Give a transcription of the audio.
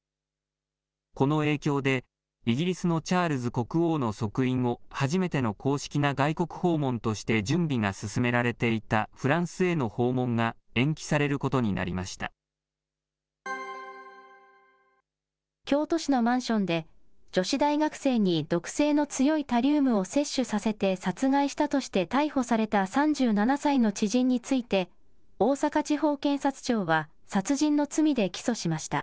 この影響で、イギリスのチャールズ国王の即位後初めての公式な外国訪問として準備が進められていたフランスへの訪問が、延期されることになり京都市のマンションで、女子大学生に毒性の強いタリウムを摂取させて殺害したとして逮捕された３７歳の知人について、大阪地方検察庁は、殺人の罪で起訴しました。